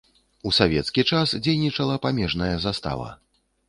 У савецкі час дзейнічала памежная застава.